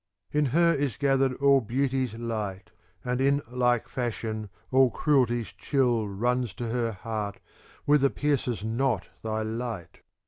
IV In her is gathered all beauty's light ; and in like fashion all cruelty's chill runs to her heart, whither pierces not thy light.